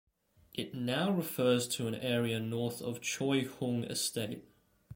It now refers to an area north of Choi Hung Estate.